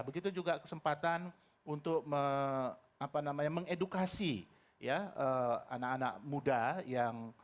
begitu juga kesempatan untuk mengedukasi anak anak muda yang